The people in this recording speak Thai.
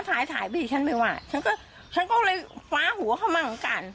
ถ่ายไปฉันไม่ว่าฉันก็เลยฟ้าหัวเขามั่งกัน